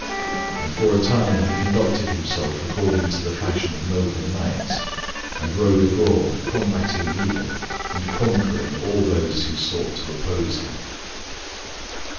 And for a time he conducted himself according to the fashion of noble knights and rode abroad combatting evil and conquering all those who sought to oppose him.